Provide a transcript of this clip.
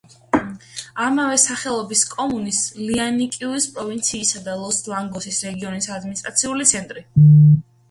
ამავე სახელობის კომუნის, ლიანკიუეს პროვინციისა და ლოს-ლაგოსის რეგიონის ადმინისტრაციული ცენტრი.